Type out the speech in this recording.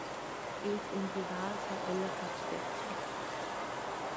Ils umbrivals ha ella fatg sezza.